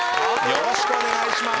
よろしくお願いします。